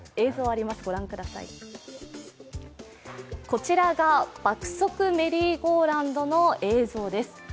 こちらが爆速メリーゴーラウンドの映像です。